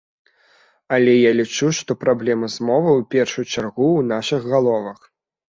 Але я лічу, што праблема з мовай у першую чаргу ў нашых галовах.